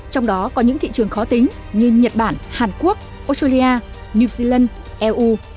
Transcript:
trong đó có những thị trường khó tính như nhật bản hàn quốc australia new zealand eu